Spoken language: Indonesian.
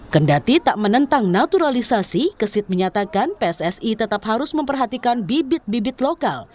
kendati tak menentang naturalisasi kesit menyatakan pssi tetap harus memperhatikan bibit bibit lokal